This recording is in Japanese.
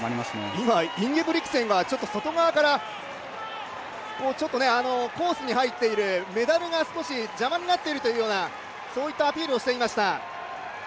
今、インゲブリクセンが外側から、コースに入っているメダルが少し邪魔になっているというアピールをしていました。